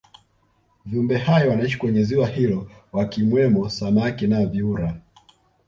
viumbe hai wanaishi kwenye ziwa hilo wakimwemo samaki na vyura